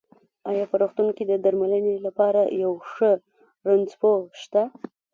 ايا په روغتون کې د درمنلې لپاره يو ښۀ رنځپوۀ شته؟